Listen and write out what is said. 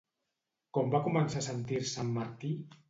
Com va començar a sentir-se en Martí?